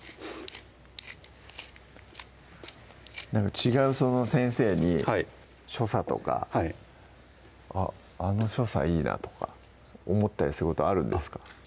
違う先生に所作とかはいあっあの所作いいなとか思ったりすることあるんですか？